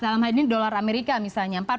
dalam hal ini dolar amerika misalnya